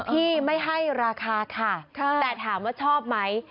พี่ไม่ให้ราคาค่ะแต่ถามว่าชอบไหม